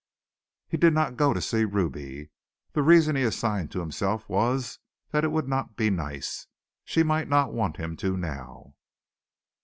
He did not go to see Ruby. The reason he assigned to himself was that it would not be nice. She might not want him to now.